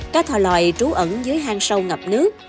cá thò lòi trú ẩn dưới hang sâu ngập nước